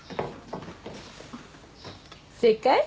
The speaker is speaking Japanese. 正解？